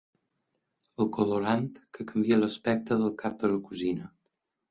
El colorant que canvia l'aspecte del cap de la cosina.